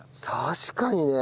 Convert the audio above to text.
確かにね。